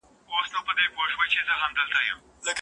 داستاني اثر په تېرو کلونو کي ډېر بدلون کړی.